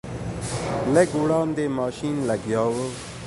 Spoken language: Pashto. لږ وړاندې ماشین لګیا و.